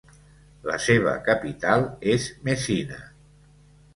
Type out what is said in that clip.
La seva capital és Messina.